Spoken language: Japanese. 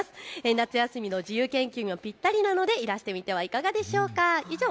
夏休みの自由研究にもぴったりなのでいらしてみてはいかがでしょうか。